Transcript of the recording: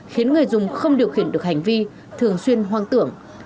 khiến người dùng không điều khiển được hành vi thường xuyên hoang tưởng